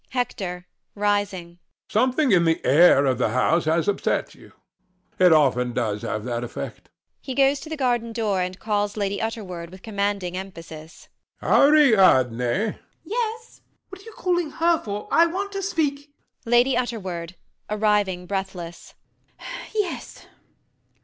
HECTOR [rising]. Something in the air of the house has upset you. It often does have that effect. [He goes to the garden door and calls Lady Utterword with commanding emphasis]. Ariadne! LADY UTTERWORD [at some distance]. Yes. RANDALL. What are you calling her for? I want to speak LADY UTTERWORD [arriving breathless]. Yes.